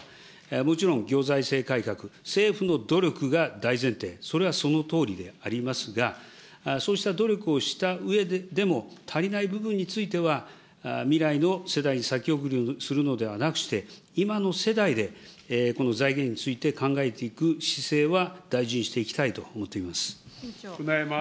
もちろん行財政改革、政府の努力が大前提、それはそのとおりでありますが、そうした努力をしたうえでも、足りない部分については、未来の世代に先送りをするのではなくして、今の世代でこの財源について考えていく姿勢は、大事にしていきたいと思っています。